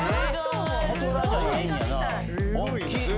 すごい。